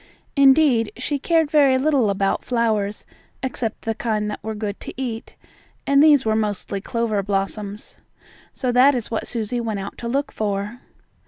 Indeed, she cared very little about flowers, except the kind that were good to eat, and these were mostly clover blossoms. So that is what Susie went out to look for.